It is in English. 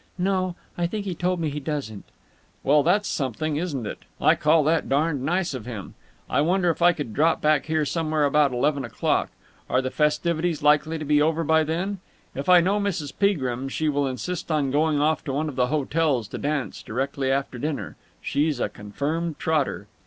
"No, I think he told me he doesn't." "Well, that's something, isn't it! I call that darned nice of him! I wonder if I could drop back here somewhere about eleven o'clock. Are the festivities likely to be over by then? If I know Mrs. Peagrim, she will insist on going off to one of the hotels to dance directly after dinner. She's a confirmed trotter."